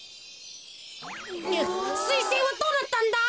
すいせいはどうなったんだ？